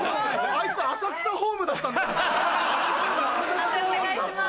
判定お願いします。